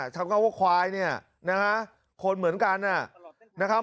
คำว่าควายเนี่ยนะฮะคนเหมือนกันนะครับ